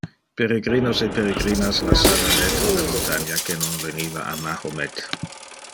Peregrinos e peregrinas lassava retro le montania que non veniva a mahomet.